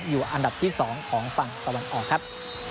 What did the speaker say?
อยู่อันดับที่๒ของฝั่งตะวันออกครับ